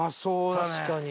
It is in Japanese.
確かに。